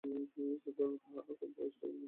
সুতরাং তাঁহারই বা বয়সটা এমন কি হইয়াছে?